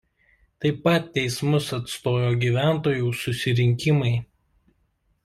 Taip pat teismus atstojo gyventojų susirinkimai.